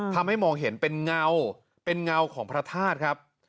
ทำให้มองเห็นเป็นเงาเป็นเงาของพระธาตุครับ